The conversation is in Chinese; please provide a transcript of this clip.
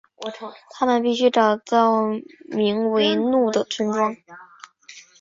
他们必须找到名为怒的村庄。